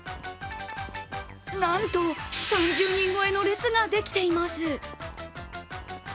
なんと３０人超えの列ができています。